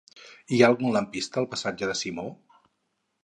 Hi ha algun lampista al passatge de Simó?